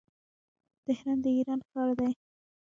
تهران د ايران ښار دی.